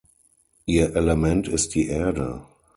Ihr Element ist die Erde.